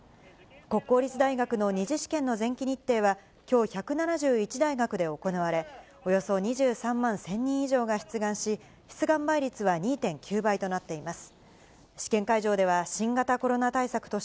国公立大学の２次試験の前期日程は、きょう１７１大学で行われ、およそ２３万１０００人以上が出願し、出願倍率は２．９倍となっています。